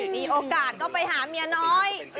มีโอกาสก็ไปหาเมียน้อย